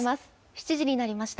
７時になりました。